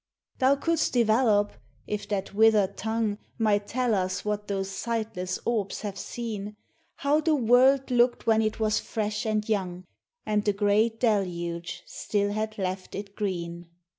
Thou couldst develop — if that withered tongue Might tell us what those sightless orbs have seen — How the world looked when it was fresh and young, And the great deluge still had left it green ; LIFE.